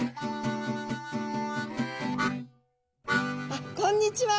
あっこんにちは。